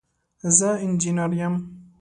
زه انجينر يم.